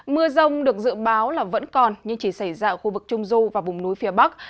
mưa rông được dự báo là vẫn còn nhưng chỉ xảy ra ở khu vực trung du và vùng núi phía bắc